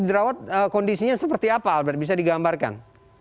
dirawat kondisinya seperti apa albert bisa digambarkan